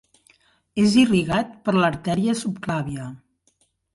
És irrigat per l'artèria subclàvia.